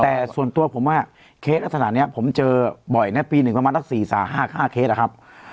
แต่ส่วนตัวผมว่าเคสอัศนาผมเจอบ่อยนะปี๑ประมาณทั้ง๔๕เคสครับ